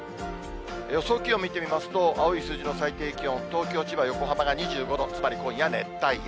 予想気温見てみますと、青い数字の最低気温、東京、千葉、横浜が２５度、つまり今夜熱帯夜。